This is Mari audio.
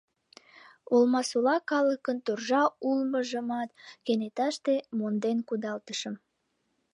Олмасола калыкын торжа улмыжымат кенеташте монден кудалтышым.